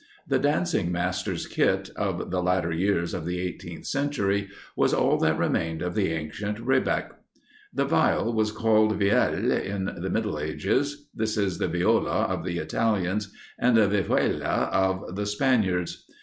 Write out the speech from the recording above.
The dancing master's Kit, of the latter years of the eighteenth century, was all that remained of the ancient Rebec. The Viol was called Vielle in the middle ages. This is the Viola of the Italians, and the Vihuela of the Spaniards.